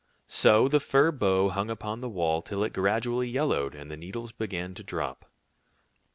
So the fir bough hung upon the wall till it gradually yellowed, and the needles began to drop.